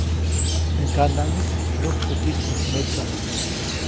Teʼ ŋganaʼŋis nyujku pistäjk metsa.